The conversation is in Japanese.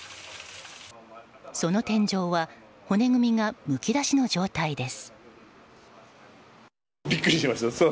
その天井は骨組みが、むき出しの状態です。